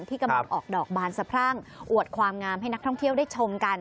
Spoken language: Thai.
ที่กำลังออกดอกบานสะพรั่งอวดความงามให้นักท่องเที่ยวได้ชมกัน